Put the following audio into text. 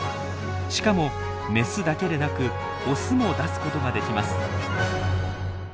しかもメスだけでなくオスも出すことができます。